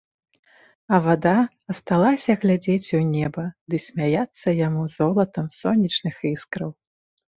А вада асталася глядзець у неба ды смяяцца яму золатам сонечных іскраў.